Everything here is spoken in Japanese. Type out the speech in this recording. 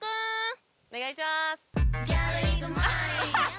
お願いします。